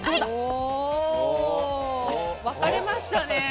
お分かれましたねえ。